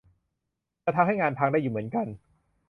จะทำให้งานพังได้อยู่เหมือนกัน